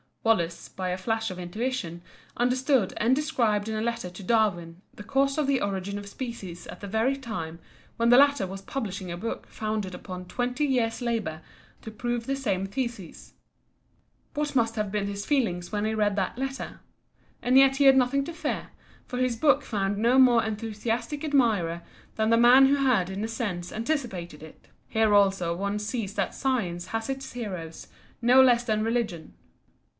Wallace by a flash of intuition understood and described in a letter to Darwin the cause of the Origin of Species at the very time when the latter was publishing a book founded upon twenty years' labour to prove the same thesis. What must have been his feelings when he read that letter? And yet he had nothing to fear, for his book found no more enthusiastic admirer than the man who had in a sense anticipated it. Here also one sees that Science has its heroes no less than Religion.